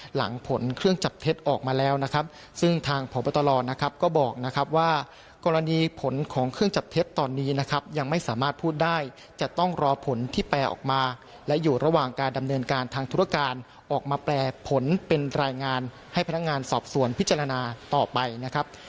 หลังผลเครื่องจับเท็จออกมาแล้วนะครับซึ่งทางพบตรนะครับก็บอกนะครับว่ากรณีผลของเครื่องจับเท็จตอนนี้นะครับยังไม่สามารถพูดได้จะต้องรอผลที่แปลออกมาและอยู่ระหว่างการดำเนินการทางธุรการออกมาแปลผลเป็นรายงานให้พนักงานสอบสวนพิจารณาต่อไปนะครับ